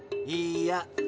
いいや。